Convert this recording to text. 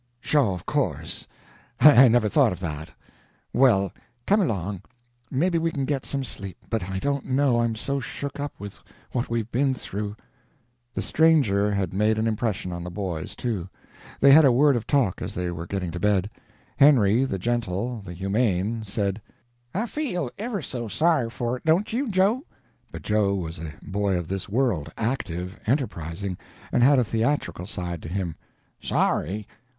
"Sho, of course; I never thought of that. Well, come along, maybe we can get some sleep, but I don't know, I'm so shook up with what we've been through." The stranger had made an impression on the boys, too. They had a word of talk as they were getting to bed. Henry, the gentle, the humane, said: "I feel ever so sorry for it, don't you, Joe?" But Joe was a boy of this world, active, enterprising, and had a theatrical side to him: "Sorry?